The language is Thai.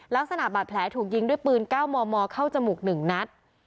ลักษณะบาดแผลถูกยิงด้วยปืน๙มมเข้าจมูก๑นัด